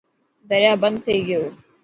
دريا بند ٿي گيو.